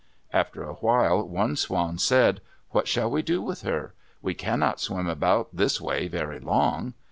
After a while one swan said, "What shall we do with her? We cannot swim about this way very long."